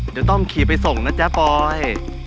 เดี๋ยวต้องขี่ไปส่งนะจ๊ะปอย